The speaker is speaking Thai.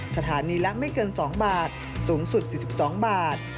สถานีละไม่เกิน๒บาทสูงสุด๔๒บาท